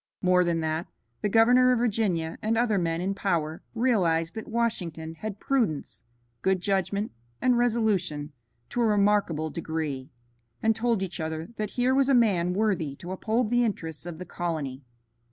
More than that, the governor of Virginia and other men in power realized that Washington had prudence, good judgment, and resolution to a remarkable degree, and told each other that here was a man worthy to uphold the interests of the colony.